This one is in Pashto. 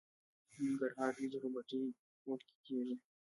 د ننګرهار وریجې په بټي کوټ کې کیږي.